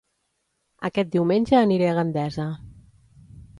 Aquest diumenge aniré a Gandesa